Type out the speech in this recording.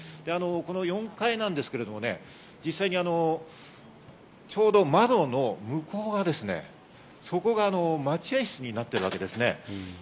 この４階なんですけど、実際ちょうど窓の向こう側、そこが待合室になってるわけですね。